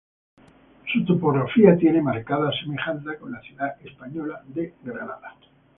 Su topografía tiene marcadas semejanzas con la ciudad española de Granada.